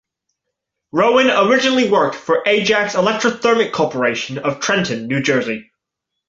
Rowan originally worked for Ajax Electrothermic Corporation of Trenton, New Jersey.